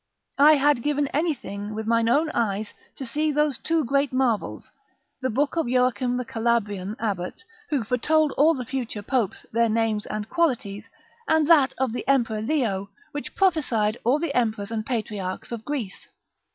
I had given anything with my own eyes to see those two great marvels, the book of Joachim the Calabrian abbot, which foretold all the future Popes, their names and qualities; and that of the Emperor Leo, which prophesied all the emperors and patriarchs of Greece.